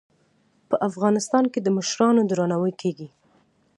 په افغانستان کې د مشرانو درناوی کیږي.